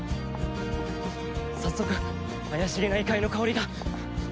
早速怪しげな異界の香りが。